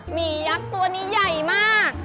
ยักษ์ตัวนี้ใหญ่มาก